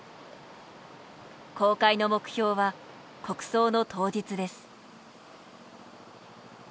公開の目標は国葬の当日です。